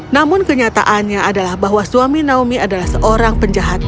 namun kenyataannya adalah bahwa suami naomi adalah seorang penjahat